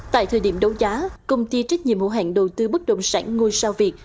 tại thời điểm đấu giá công ty trách nhiệm hữu hạn đầu tư bất đồng sản ngôi sao việt